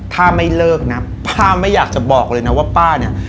ถ้าไม่เลิกนะป้าไม่อยากจะบอกเลยนะว่าป้าเนี่ย